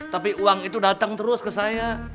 tapi uang itu datang terus ke saya